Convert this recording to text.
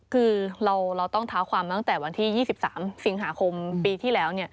คือเราต้องเท้าความตั้งแต่วันที่๒๓สิงหาคมปีที่แล้ว